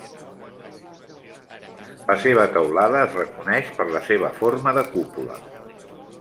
La seva teulada es reconeix per la seva forma de cúpula.